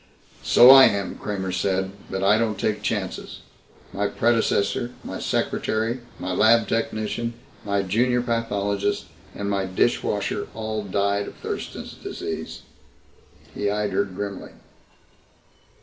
"So I am," Kramer said, "but I don't take chances. My predecessor, my secretary, my lab technician, my junior pathologist, and my dishwasher all died of Thurston's Disease." He eyed her grimly.